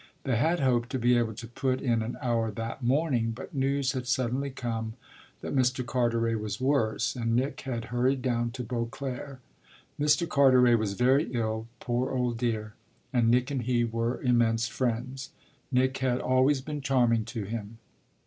They had hoped to be able to put in an hour that morning, but news had suddenly come that Mr. Carteret was worse, and Nick had hurried down to Beauclere. Mr. Carteret was very ill, poor old dear, and Nick and he were immense friends. Nick had always been charming to him.